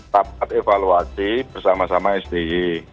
rapat evaluasi bersama sama sby